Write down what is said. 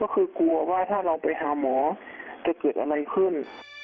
ก็คือกลัวว่าถ้าเราไปหาหมอจะเกิดอะไรขึ้น